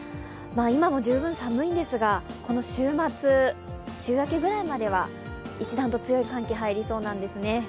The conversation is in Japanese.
今も十分寒いんですが、この週末、週明けぐらいまでは一段と強い寒気が入りそうなんですね。